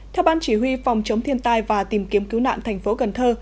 theo ban chỉ huy phòng chống thiên tai và tìm kiếm cứu nạn thành phố cần thơ